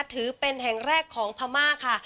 ถือเป็นแห่งแรกของพม่าค่ะ